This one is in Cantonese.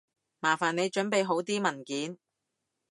麻煩你準備好啲文件